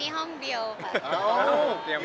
เป็นยังไงคะเตรียมห้องไหน